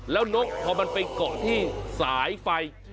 แล้วนกพอมันไปเกาะที่สายไฟ